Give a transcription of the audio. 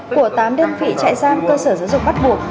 của tám đơn vị trại giam cơ sở giáo dục bắt buộc